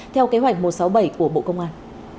theo kế hoạch một trăm sáu mươi bảy của bộ công an